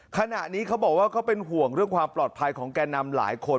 ขณะนี้เขาบอกว่าเขาเป็นห่วงเรื่องความปลอดภัยของแก่นำหลายคน